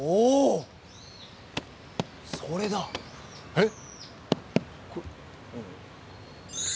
えっ？